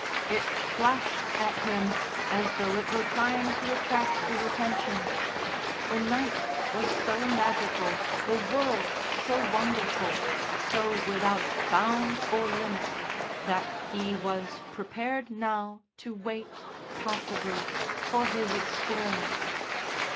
It flashed at him as though it were trying to attract his attention. The night was so magical, the world so wonderful, so without bound or limit, that he was prepared now to wait, passively, for his experience.